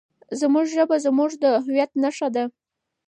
زموږ ژبه زموږ د هویت نښه ده.